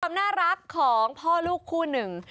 ความน่ารักของพ่อลูกคู่หนึ่ง